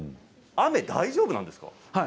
雨、大丈夫なんですか。